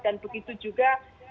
dan begitu juga